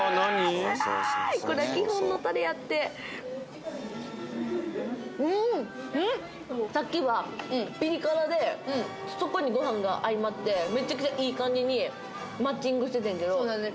すごいこれは基本のたれやってうんうんっさっきはピリ辛でそこにご飯が相まってめちゃくちゃいい感じにマッチングしててんけどそうだね